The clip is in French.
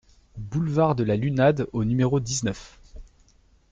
Boulevard de la Lunade au numéro dix-neuf